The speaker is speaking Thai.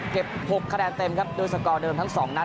เก็บ๖คะแดนเต็มครับโดยสกอร์เดิมทั้ง๒นัด